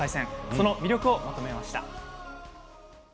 その魅力をまとめました。